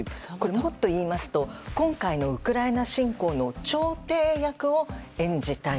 もっと言いますと今回のウクライナ侵攻の調停役を演じたい。